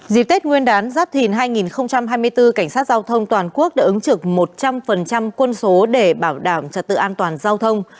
dịp tết nguyên đán giáp thìn hai nghìn hai mươi bốn cảnh sát giao thông toàn quốc đã ứng trực một trăm linh quân số để bảo đảm trật tự an toàn giao thông